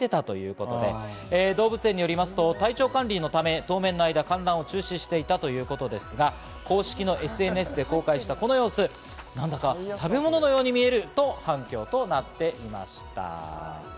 タイヤの空洞に合わせて体を丸めていたということで、動物園によりますと体調管理のため当面の間、観覧を中止していたということですが、公式のＳＮＳで公開したこの様子、なんだか食べ物のように見えると反響となっていました。